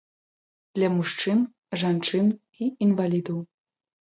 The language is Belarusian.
Для мужчын, жанчын і інвалідаў.